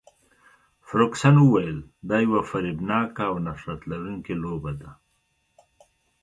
فرګوسن وویل، دا یوه فریبناکه او نفرت لرونکې لوبه ده.